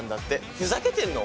ふざけてんの？